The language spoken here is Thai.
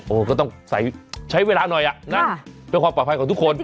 โอ้ก็ต้องใช้เวลาหน่อยเป็นความปลอดภัยของทุกคน